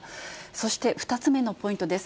そして、２つ目のポイントです。